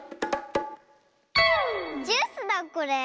ジュースだこれ。